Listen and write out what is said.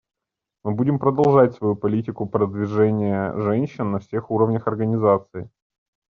Мы будем продолжать свою политику продвижения женщин на всех уровнях Организации.